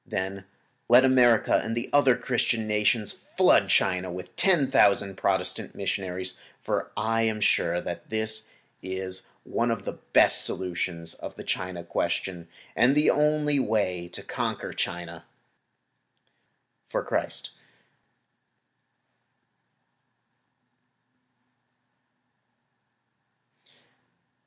Then let America and other Christian nations flood China with ten thousand Protestant missionaries, for I am sure that this is one of the best solutions of the Chinese Question, and the only way to conquer China for Christ.